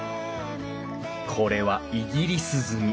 これはイギリス積み。